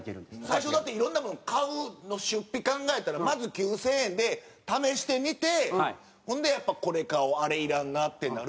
最初だって色んなもの買うの出費考えたらまず９０００円で試してみてほんでやっぱこれ買おうあれいらんなってなるし。